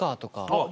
あっ